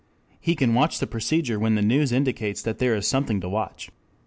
He can watch the procedure when the news indicates that there is something to watch.